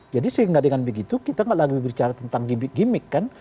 jadi sehingga dengan begitu kita gak lagi berbicara tentang gimmick kan